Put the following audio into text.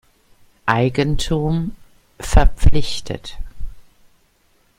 Eigentum verpflichtet.